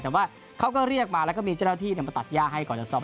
แต่ว่าเขาก็เรียกมาแล้วก็มีเจ้าหน้าที่มาตัดย่าให้ก่อนจะซ้อม